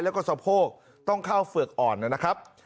แล้วก็สะโพกต้องเข้าเฝือกอ่อนนะครับ